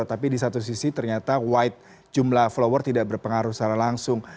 tapi di satu sisi ternyata white jumlah follower tidak berpengaruh secara langsung